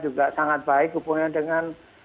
juga sangat baik hubungan dengan